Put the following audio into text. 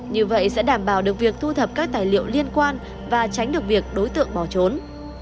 như vậy sẽ đảm bảo được việc thu thập các tài liệu liên quan và tránh được việc đối tượng bỏ trốn